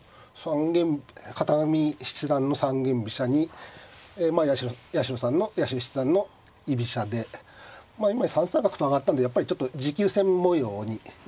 片上七段の三間飛車に八代七段の居飛車で今３三角と上がったんでやっぱりちょっと持久戦模様になりますね。